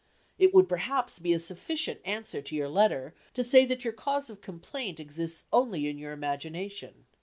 It would perhaps be a sufficient answer to your letter, to say that your cause of complaint exists only in your imagination.